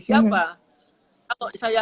siapa kalau saya